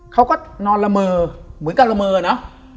เขาก็นอนละเมอเหมือนกับละเมอเนอะ